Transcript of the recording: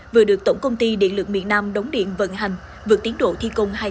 vừa được tổng công ty điện lực miền nam đống điện vận hành vượt tiến độ thi công hai tháng